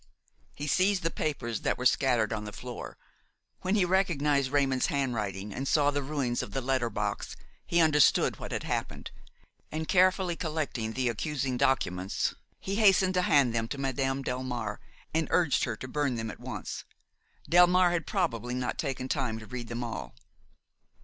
He seized the papers that were scattered over the floor. When he recognized Raymon's handwriting and saw the ruins of the letter box, he understood what had happened; and, carefully collecting the accusing documents, he hastened to hand them to Madame Delmare and urged her to burn them at once. Delmare had probably not taken time to read them all.